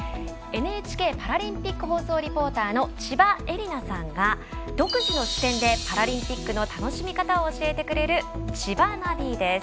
ＮＨＫパラリンピック放送リポーターの千葉絵里菜さんが独自の視点でパラリンピックの楽しみ方を教えてくれる「ちばナビ」です。